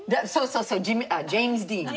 そうそうジェームズ・ディーン。